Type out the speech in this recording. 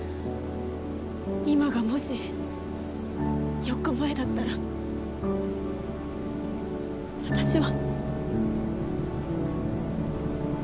今がもし４日前だったら私は。